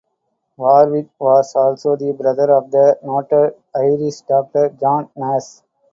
Warwick was also the brother of the noted Irish doctor John Nash.